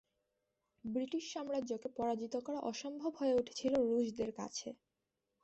British সাম্রাজ্য কে পরাজিত করা অসম্ভব হয়ে উঠেছিল রুশদের কাছে।